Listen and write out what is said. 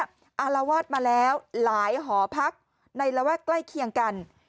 อารวาสมาแล้วหลายหอพักในระแวกใกล้เคียงกัน